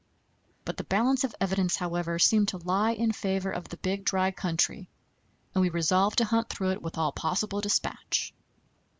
But the balance of evidence, however, seemed to lie in favor of the Big Dry country, and we resolved to hunt through it with all possible dispatch.